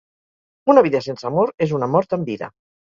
Una vida sense amor és una mort en vida.